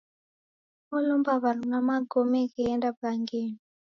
Olomba w'aruna magome gheenda w'ughangenyi.